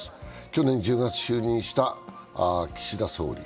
去年１０月就任した岸田総理。